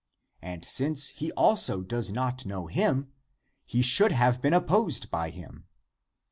And since he also does not know him, he should have been opposed by him.